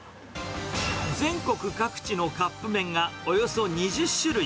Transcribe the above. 全国各地のカップ麺が、およそ２０種類。